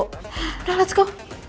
udah lets go